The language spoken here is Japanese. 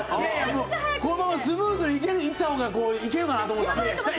このままスムーズにいった方がいけるかなと思った。